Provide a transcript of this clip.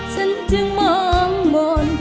ฉันจึงมองมนต์